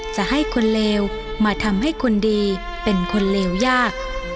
จะให้คนเลวมาทำให้คนดีเป็นคนเลวยาก